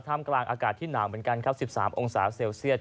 มกลางอากาศที่หนาวเหมือนกันครับ๑๓องศาเซลเซียต